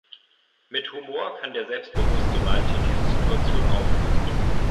Mit Humor kann der selbstbewusste Malte diese Situation auflösen.